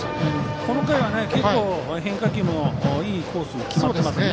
この回は結構、変化球もいいコースに決まっていますね。